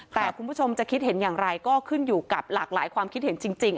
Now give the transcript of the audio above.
แต่คุณผู้ชมจะคิดเห็นอย่างไรก็ขึ้นอยู่กับหลากหลายความคิดเห็นจริง